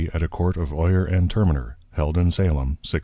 AT A COURT OF OYER AND TERMINER, HELD IN SALEM, 1692.